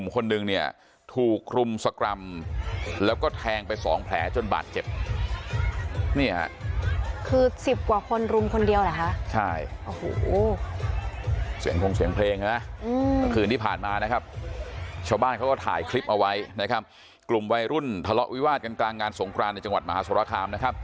กลุ่มวัยรุ่นทะเลาะวิวาดกันกลางงานสงครานในจังหวัดมหาสวรรคาม